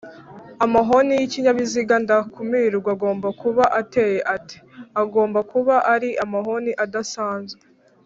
amahoni y’ikinyabiziga ndakumirwa agomba kuba ateye ate?agomba kuba ari amahoni adasanzwe